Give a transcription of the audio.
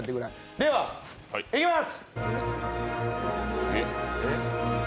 では、いきます！